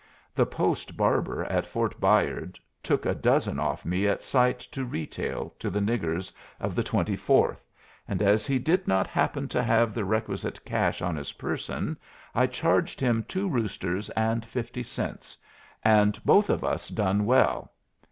The post barber at Fort Bayard took a dozen off me at sight to retail to the niggers of the Twenty fourth, and as he did not happen to have the requisite cash on his person I charged him two roosters and fifty cents, and both of us done well.